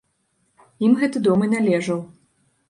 Ім гэты дом і належаў.